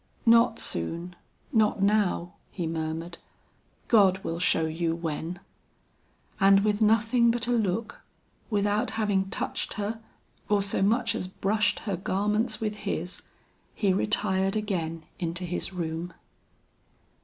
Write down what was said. "Not soon, not now," he murmured, "God will show you when." And with nothing but a look, without having touched her or so much as brushed her garments with his, he retired again into his room.